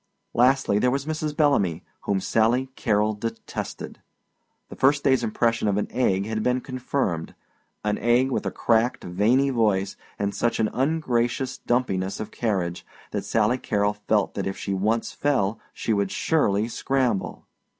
Lastly there was Mrs. Bellamy, whom Sally Carrol detested. The first day's impression of an egg had been confirmed an egg with a cracked, veiny voice and such an ungracious dumpiness of carriage that Sally Carrol felt that if she once fell she would surely scramble.